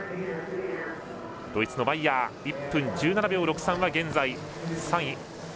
ドイツのマイヤー１分１７秒６３は現在、３位。